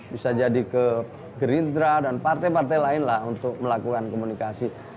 bisa jadi ke gerindra dan partai partai lain lah untuk melakukan komunikasi